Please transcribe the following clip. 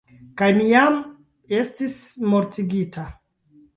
Kaj mi jam estis mortigita.